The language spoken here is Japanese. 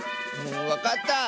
わかった！